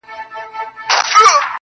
اوس له نړۍ څخه خپه يمه زه,